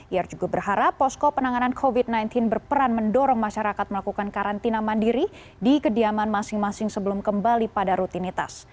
ia juga berharap posko penanganan covid sembilan belas berperan mendorong masyarakat melakukan karantina mandiri di kediaman masing masing sebelum kembali pada rutinitas